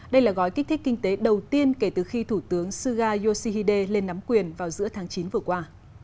đây là gói kích thích kinh tế đầu tiên kể từ khi thủ tướng suga yoshihide lên nắm quyền vào giữa tháng chín vừa qua